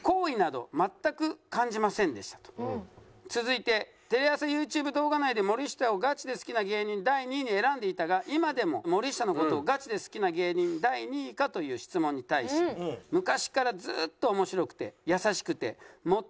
続いて「テレ朝ＹｏｕＴｕｂｅ動画内で森下をガチで好きな芸人第２位に選んでいたが今でも森下の事をガチで好きな芸人第２位か？」という質問に対し。と思ってます。